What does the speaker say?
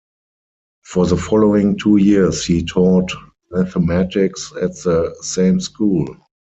For the following two years he taught mathematics at the same school.